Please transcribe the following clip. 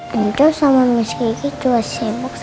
dulu sama miss kiki juga sibuk